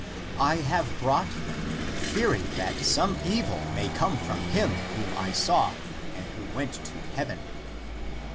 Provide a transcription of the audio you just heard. I have brought them,^ fear ing that some evil may come from him whom I saw and who went to heaven."